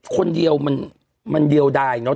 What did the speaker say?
คนเดียวมันเดียวดายเนอะ